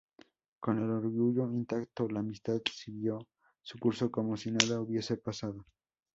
Con el orgullo intacto, la amistad siguió su curso como si nada hubiese pasado.